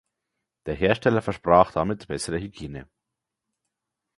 Der Hersteller versprach damit bessere Hygiene.